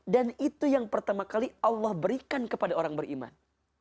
dan itu yang pertama kali allah berikan kepada orang beriman